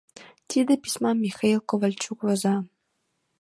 Тиде письмам Михаил Ковальчук воза...»